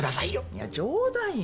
いや冗談よ。